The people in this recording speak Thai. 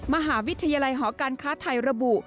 มหาวิทยาลัยหอการค้าไทยระบุ